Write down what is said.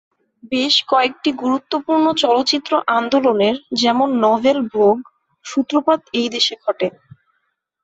বেশ কয়েকটি গুরুত্বপূর্ণ চলচ্চিত্র আন্দোলনের, যেমন নভেল ভোগ, সূত্রপাত এই দেশে ঘটে।